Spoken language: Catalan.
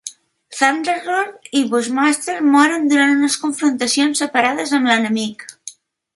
Thunderlord i Bushmaster moren durant unes confrontacions separades amb l'enemic.